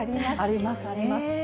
あります、あります。